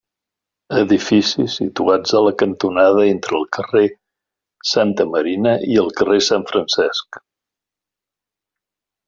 Edificis situats a la cantonada entre el carrer Santa Marina i el carrer Sant Francesc.